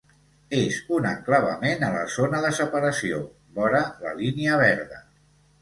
És un enclavament a la zona de separació, vora la Línia Verda.